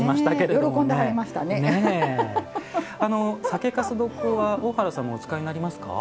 酒かす床は大原さんもお使いになりますか？